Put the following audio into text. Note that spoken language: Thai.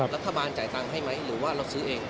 รัฐบาลจ่ายตังค์ให้ไหมหรือว่าเราซื้อเอง